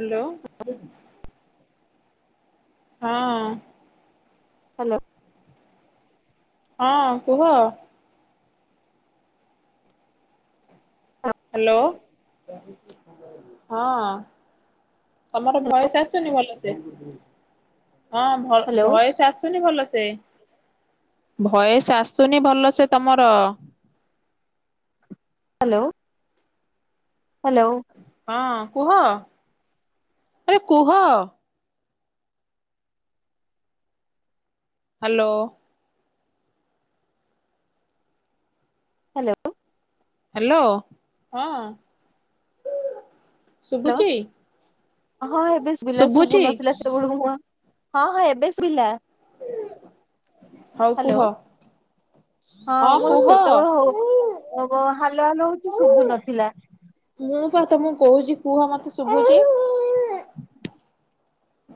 Hello. ହଁ hello ହଁ କୁହ। ହାଲୋ ହଁ। ତମର ଭଏସ୍ ଆସୁନି ଭଲସେ। ହଁ ଭ ହ୍ୟାଲୋ। ଭଏସ୍ ଆସୁନି ଭଲ ସେ। ଭଏସେ ଆସୁନି ଭଲ ସେ ତମର। ହାଲୋ। ହାଲୋ। ହଁ କୁହ ଆରେ କୁହ। ହାଲୋ। ହାଲୋ। ହାଲୋ ହଁ। ହାଲୋ ଶୁଭୁଛି? ହଁ ଏବେ ଶୁଭୁଲା ଶୁଭୁଛି ଶୁଭୁନଥିଲା ସେଳକୁ ହଁ ହଁ। ହଁ ହଁ ଏବେ ଶୁଇିଲା। ହଉ କୁହ? ହଁ ମୋର କୁହ? ସେତେବେଳେ ହଉ ହାଲୋ ହାଲୋ ହଉଛି ଶୁଭୁ ନଥିଲା। ମୁଁ ପା ତମୁକୁ କହୁଚି କୁହ ମତେ ଶୁଭୁଚି।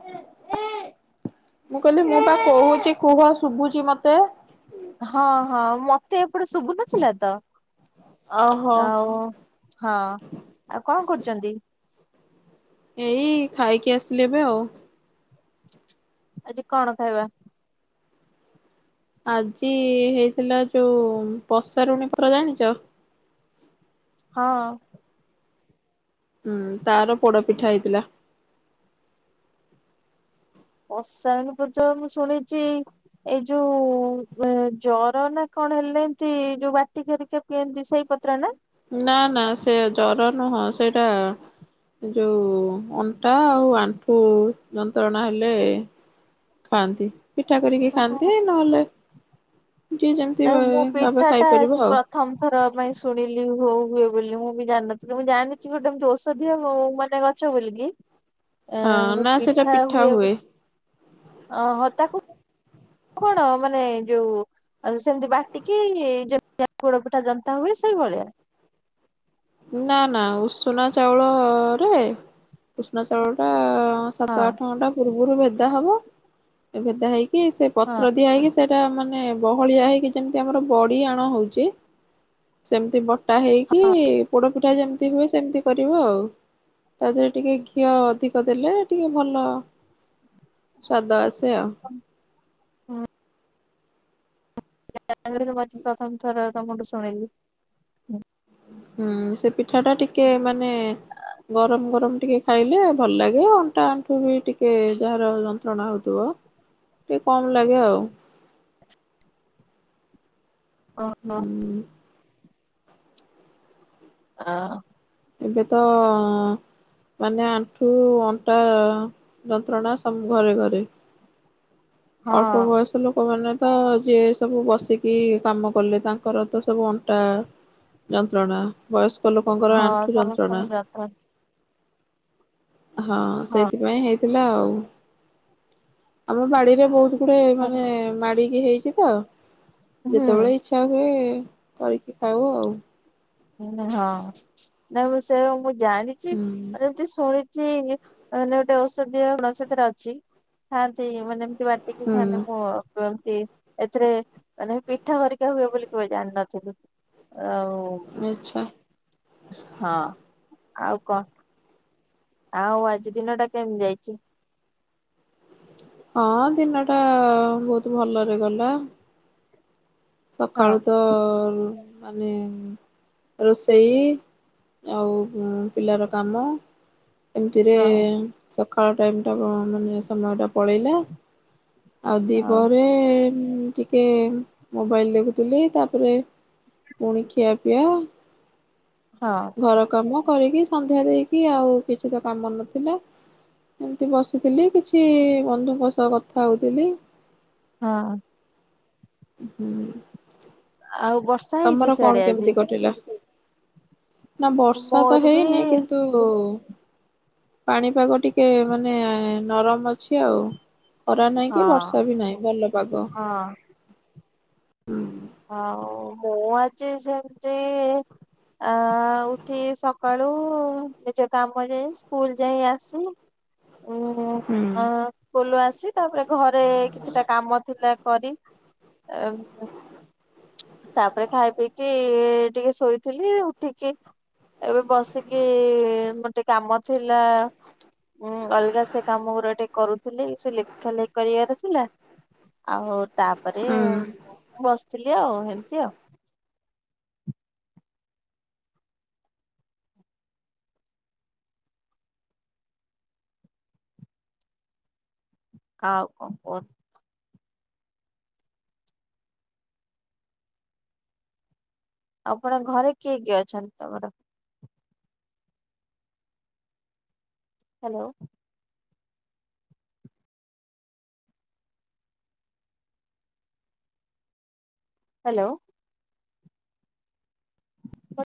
ମୁଁ କହିଲି ମୁଁ ପା କହୁଚି କୁହ ଶୁବୁଚି ମତେ। ହଁ ହଁ ମତେ ଏପଟେ ଶୁଭୁନଥିଲା ତ ଓହୋ ଆଉ ହଁ ଆଉ କଣ କରୁଚନ୍ତି? ଏଇ ଖାଇକି ଆସିଲି ଏବେଆଉ। ଆଜି କଣ ଖାଇବା? ଆଜି ହେଇଥିଲା ଯୋଉ ପସାରୁଣୀ ପ-ର ଜାଣିଚ? ହଁ। ହୁଁ ତାର ପୋଡପିଠା ହେଇଥିଲା। ପସାରୁଣୀ ପତ୍ର ମୁଁ ଶୁଣିଚି ଏଇ ଯୋଉ ଏଁ ଜର ନା କଣ ହେଲେ ଏମତି ଯୋଉ ବାଟିକି ହେରିକା ପିଅନ୍ତି ସେଇ ପତ୍ର ନା? ନା ନା ସେ ଜର ନୁହଁ ସେଇଟା ଯୋଉ ଅଣ୍ଟା ଆଉ ଆଣ୍ଠୁ ଯନ୍ତ୍ରଣା ହେଲେ ଖାଆନ୍ତି ପିଠା କରିକି ଓହୋ ଖାଆନ୍ତି ନହେଲେ ଯିଏ ଯେମିତି ନାଇଁ ମୁଁ ପିଠା ବ-ଭାବେ ଟା ଆଜି ଖାଇପାରିବ ଆଉ। ପ୍ରଥମ ଥର ପାଇଁ ଶୁଣିଲି ହଉ ହୁଏ ବୋଲି ମୁଁ ବି ଜାଣିନଥିଲି ମୁଁ ଜାଣିଚି ଗୋଟେ ଏମିତି ଔଷଧୀୟ ହଉ ମାନେ ଚ ବୋଲିକି। ହଁ ଏଁ ନା ସେଇଟା ପିଠା ହୁଏ ଅହ ତାକ କଣ ମାନେ ଯୋଉ ଆଉ ସେମିତି ବାଟିକି ଯେମିତିଆ ପୋଡପିଠା ଜନ୍ତା ହୁଏ ସେଇଭଳିଆ? ନା ନା ଉଷୁନା ଚାଉଳରେ ଉଷୁନା ଚାଉଳ ଟା ସାତ ହଁ ଆଠ ଘଣ୍ଟା ପୂର୍ବରୁ ଭେଦାହବ ଏ ଭେଦା ହେଇକି ସେ ହଁ। ପତ୍ର ଦିଆ ହେଇକି ସେ ଟା ମାନେ ବହଳିଆ ହେଇକି ଯେମିତି ଆମର ବଡି ଆଣ ହଉଚି ସେମତି ବ ଟା ହେଇକି ପୋଡ ପିଠା ଯେମିତି ହୁଏ ସେମିତି କରିବ ଆଉ। ତା ଦେହରେ ଟିକେ ଘିଅ ଅଧିକ ଦେଲେ ଟିକେ ଭଲ ସ୍ୱାଦ ଆସେ ଆଉ। ହୁଁ [inaudible] ପ୍ରଥମ ଥର ତମଠୁ ଶୁଣିଲି। ହୁଁ ସେ ପିଠାଟା ଟିକେ ମାନେ ଗରମ୍ ଗରମ୍ ଟିକେ ଖାଇଲେ ଭଲ ଲାଗେ ଅଣ୍ଟା ଆଣ୍ଠୁ ବି ଟିକେ ଯାହାର ଯନ୍ତ୍ରଣା ହଉଥିବ ଟିକେ କମ୍ ଲାଗେ ଆଉ। ଅ ହୁଁ। ଆଉ ଏବେ ତ ମାନେ ଆଣ୍ଠୁ ଅଣ୍ଟା ଯନ୍ତ୍ରଣା ସବ ଘରେ ଘରେ। [inaudible] ଅଳ୍ପ ବୟସ୍ ସ ଲୋକମାନେ ତ ଯିଏ ସବୁ ବସିକି କାମ କଲେ ତାଙ୍କର ତ ସବୁ ଅଣ୍ଟା ଯନ୍ତ୍ରଣା। ବୟସ୍କ ଲୋକଙ୍କର ହଁ ଆଣ୍ଠୁ ଯନ୍ତ୍ରଣା ସମସ୍ତଙ୍କ ଯାତ୍ରା ହଁ ସେଇଥିପାଇଁ ହେଇଥିଲା ଆଉ। ଆମ ବାଡିରେ ବହୁତ୍ ଗୁଡେ ମାନେ ହଁ ମାଡିକି ହେଇଚି ତ। ହୁଁ ଯେତବେଳେ ଇଚ୍ଛା ହୁଏ କରିକି ଖାଉ ଆଉ। ଉଁ ହଁ ନା ମୁଁ ସେଇଆ ମୁଁ ଜାଣିଚି। ହୁଁ ମାନେ ଏମିତି ଶୁଣିଚି ମାନେ ଗୋଟେ ଔଷଧୀୟ ଗୁଣ ସେଥେରେ ଅଛି। ଖାଆନ୍ତି ମାନେ ଏମିତି ବାଟିକି ଖାଆନ୍ତି ହୁଁ ମୋ [unintelligible] ଏମତି ଏଥିରେ ମାନେ ପିଠା ହରିକା ହୁଏ ବୋଲି କେବେ ଜାଣିନଥିଲି। ଆଉ ଆଚ୍ଛା। ହଁ ଆଉ କଣ? ଆଉ ଆଜି ଦିନ ଟା କେମ୍ ଯାଇଚି? ହଁ ଦିନ ଟା ବହୁତ ଭଲରେ ଗଲା। ହଁ ସକାଳୁ ତ ଉଁ ମାନେ ଉଁ ରୋଷେଇ ଆଉ ଉଁ ପିଲାର କାମ। ଏମିତିରେ ହଁ ସଖାଳ ଟାଇମ ଟା ଅ ମାନେ ସମୟଟା ପଳେଇଲା। ଆଉ ହଁ ଦ୍ବିପ୍ରହରେ ଉଁ ଟିକେ ଉଁ ମୋବାଇଲ ଦେଖୁଥିଲି ତାପରେ ପୁଣି ଖିଆ ପିଆ। ହଁ ଘର କାମ କରିକି ସନ୍ଧ୍ୟା ଦେଇକି ଆଉ କିଛି ତ କାମ ନଥିଲା। ଏମିତି ବସିଥିଲି କିଛି ବନ୍ଧୁଙ୍କ ସହ କଥା ହଉଥିଲି। ହଁ। ହୁଁ। ଆଉ ବର୍ଷା ତମର ହେଇଚି କଣ ସିଆଡେ ଆଜି? କେମିତି ନା ବର୍ଷା ତ ମୋର ବି ହେଇନି କିନ୍ତୁ ଓ ପାଣି ପାଗ ଟିକେ ମାନେ ନରମ ଅଛି ଆଉ। ଖରା ନାଇଁ ହଁ କି ବର୍ଷା ବି ନାଇଁ ଭଲ ପାଗ। ହଁ ହଉ ମୁଁ ଆଜି ସେମତି ଆ ଉଠି ସକାଳୁ ନିଜ କାମ ଯାଇ ସ୍କୁଲ ଯାଇ ଆସି ଉଁ ହୁଁ ଅଁ ସ୍କୁଲ ରୁ ଆସି ତାପରେ ଘରେ କିଛି ଟା କାମ ଥିଲା କରି ତା ଉଁ ତାପରେ ଖାଇ ପିଇକି ଟିକେ ଶୋଇଥିଲି ଉଠିକି ଏବେ ବସିକି ଗୋଟେ କାମ ଥିଲା ଉଁ ଅଲଗା ସେ କାମ ଗୁରା ଟିକେ କରୁଥିଲି ସେ ଲେଖା ଲେଖି କରିଆର ଥିଲା। ଆଉ ତାପରେ ମୁଁ ହୁଁ। ମୁଁ ବସଥିଲି ଆଉ ଏମତି ଆଉ। ଆଉ କଣ କୁହ। ଆପଣଙ୍କ ଘରେ କିଏ କିଏ ଅଛନ୍ତି ତମର? ହ୍ୟାଲୋ। ହ୍ୟାଲୋ। ପ